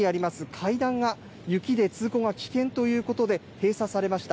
階段が雪で通行が危険ということで閉鎖されました。